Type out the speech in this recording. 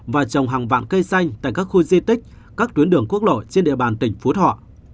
và trồng hàng vạn cây xanh tại các khu di tích các tuyến đường quốc lộ trên địa bàn tỉnh phú thọ